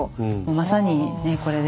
まさにこれで。